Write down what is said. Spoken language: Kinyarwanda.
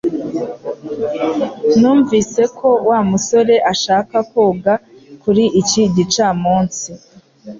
Numvise ko Wa musore ashaka koga kuri iki gicamunsi